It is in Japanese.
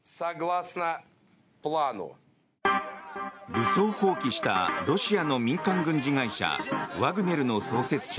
武装蜂起したロシアの民間軍事会社ワグネルの創設者